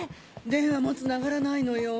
電話もつながらないのよ。